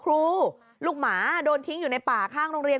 ลูกหมาโดนทิ้งอยู่ในป่าข้างโรงเรียน